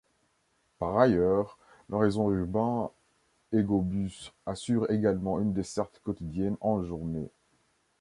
Par ailleurs, le réseau urbain Hegobus assure également une desserte quotidienne, en journée.